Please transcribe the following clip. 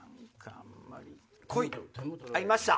ありました。